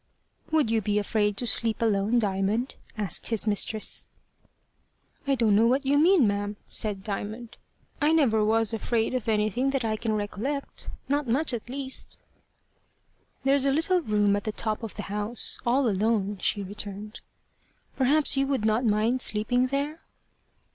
"Would you be afraid to sleep alone, Diamond?" asked his mistress. "I don't know what you mean, ma'am," said Diamond. "I never was afraid of anything that I can recollect not much, at least." "There's a little room at the top of the house all alone," she returned; "perhaps you would not mind sleeping there?"